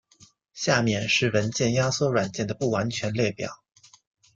下面是文件压缩软件的不完全列表。